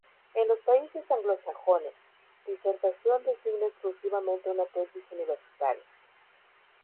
En los países anglosajones, disertación designa exclusivamente una tesis universitaria.